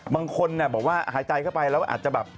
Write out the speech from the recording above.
บางคนบอกว่าหายใจเข้าไปแล้วอาจจะแบบ